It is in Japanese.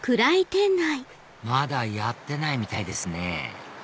まだやってないみたいですね